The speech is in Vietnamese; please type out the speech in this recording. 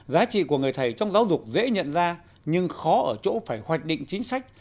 giá trị của người thầy trong giáo dục dễ nhận ra nhưng khó ở chỗ phải hoạch định chính sách